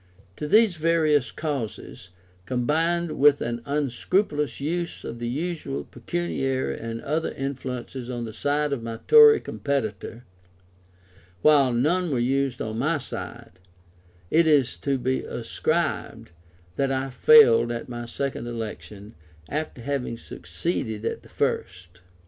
To these various causes, combined with an unscrupulous use of the usual pecuniary and other influences on the side of my Tory competitor, while none were used on my side, it is to be ascribed that I failed at my second election after having succeeded at the first.